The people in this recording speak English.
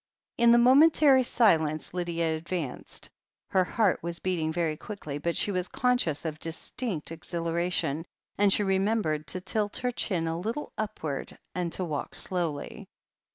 In the momentary silence Lydia advanced. Her heart was beating very quickly, but she was conscious of distinct exhilaration, and she remembered to tilt her chin a little upward and to walk slowly.